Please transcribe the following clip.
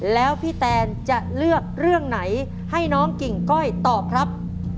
แล้วพี่แตนจะเลือกเรื่องไหนให้น้องกิ่งก้อยตอบครับ